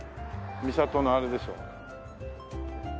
三郷のあれでしょ。